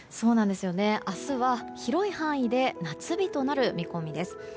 明日は広い範囲で夏日となる見込みです。